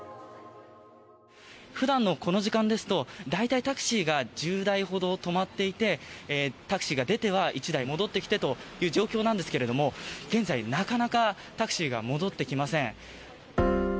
普段のこの時間ですと大体、タクシーが１０台ほど止まっていてタクシーが出ては１台戻ってきてという状況なんですけれど現在、なかなかタクシーが戻ってきません。